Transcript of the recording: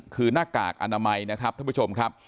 คือหน้ากากอนามัยนะครับท่านผู้ชมครับ